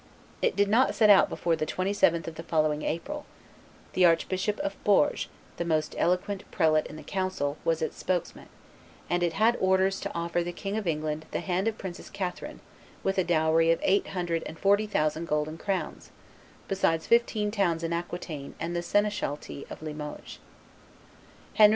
It did not set out before the 27th of the following April; the Archbishop of Bourges, the most eloquent prelate in the council, was its spokesman; and it had orders to offer the King of England the hand of the Princess Catherine with a dowry of eight hundred and forty thousand golden crowns, besides fifteen towns in Aquitaine and the seneschalty of Limoges. Henry V.